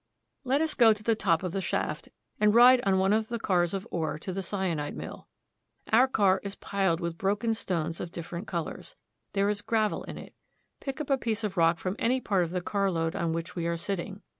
Let us go to the top of the shaft, and ride on one of the cars of ore to the cyanide mill. Our car is piled with broken stones of different colors. There is gravel in it. Pick up a piece of rock from any part of the carload on A VISIT TO A GOLD MINE. 245 which we are sitting.